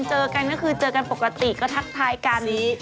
เจอกันก็คือเจอกันปกติก็ทักทายการนี้